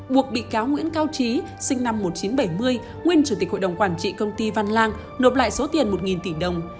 buộc bị cáo nguyễn cao trí sinh năm một nghìn chín trăm bảy mươi nguyên chủ tịch hội đồng quản trị công ty văn lang nộp lại số tiền một tỷ đồng